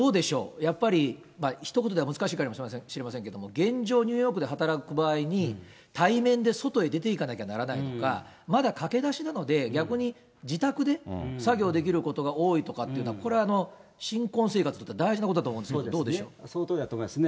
やっぱりひと言では難しいかもしれませんけれども、現状、ニューヨークで働く場合に、対面で外へ出ていかなきゃならないとか、まだ駆け出しなので、逆に自宅で作業できることが多いのか、これは新婚生活にとっては大事なことだと思うんですが、そのとおりだと思いますね。